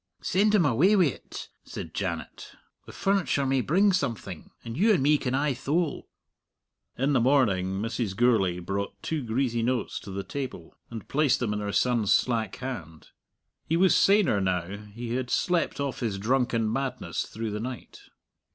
"Send him away wi't," said Janet. "The furniture may bring something. And you and me can aye thole." In the morning Mrs. Gourlay brought two greasy notes to the table, and placed them in her son's slack hand. He was saner now; he had slept off his drunken madness through the night.